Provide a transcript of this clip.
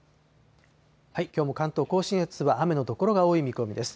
きょうも関東甲信越は雨の所が多い見込みです。